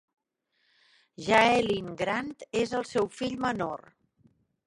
Jaelin Grant és el seu fill menor.